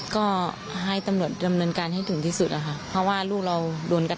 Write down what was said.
ก็ให้ตำรวจดำเนินการให้ถึงที่สุดอะค่ะเพราะว่าลูกเราโดนกระทำ